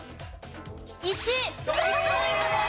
１。１ポイントです。